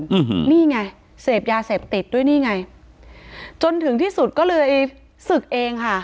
อืมนี่ไงเสพยาเสพติดด้วยนี่ไงจนถึงที่สุดก็เลยศึกเองค่ะ